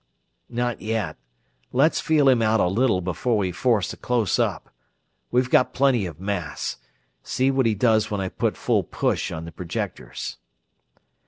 "Not yet; let's feel him out a little before we force a close up. We've got plenty of mass. See what he does when I put full push on the projectors."